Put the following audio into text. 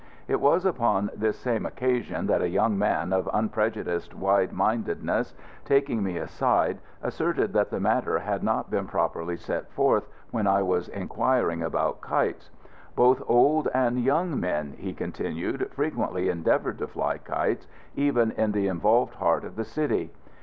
It was upon this same occasion that a young man of unprejudiced wide mindedness, taking me aside, asserted that the matter had not been properly set forth when I was inquiring about kites. Both old and young men, he continued, frequently endeavoured to fly kites, even in the involved heart of the city.